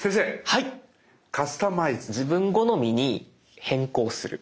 はいカスタマイズは自分好みにする。